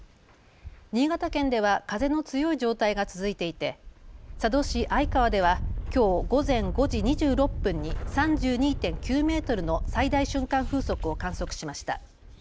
新潟県では風の強い状態が続いていて、佐渡市相川ではきょう午前５時２６分に３２．９メートルの最大瞬間風速を観測しました。